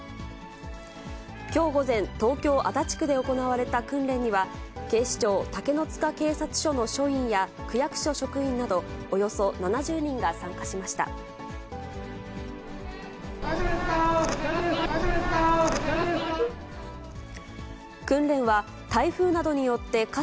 きょう午前、東京・足立区で行われた訓練には、警視庁竹の塚警察署の署員や区役所職員などおよそ７０人が参加し大丈夫ですか？